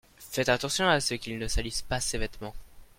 Faites attention à ce qu'il ne salisse pas ses vêtements.